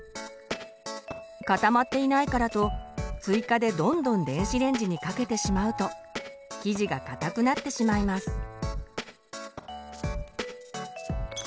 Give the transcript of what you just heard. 固まっていないからと追加でどんどん電子レンジにかけてしまうと生地がかたくなってしまいます。